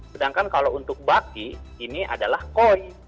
sedangkan kalau untuk baki ini adalah koi